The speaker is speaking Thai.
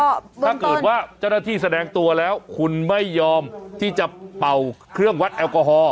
ถ้าเกิดว่าเจ้าหน้าที่แสดงตัวแล้วคุณไม่ยอมที่จะเป่าเครื่องวัดแอลกอฮอล